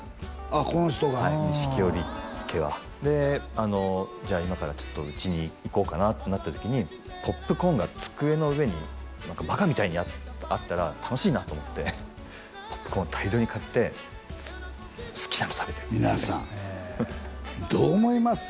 この人が錦織家はでじゃあ今からうちに行こうかなってなった時にポップコーンが机の上にバカみたいにあったら楽しいなと思ってポップコーン大量に買って「好きなの食べて」って皆さんどう思います？